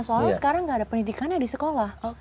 soalnya sekarang nggak ada pendidikannya di sekolah